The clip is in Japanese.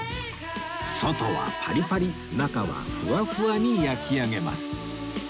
外はパリパリ中はふわふわに焼き上げます